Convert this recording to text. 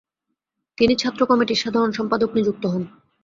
তিনি ছাত্র কমিটির সাধারণ সম্পাদক নিযুক্ত হন।